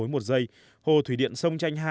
một giây hồ thủy điện sông tranh hai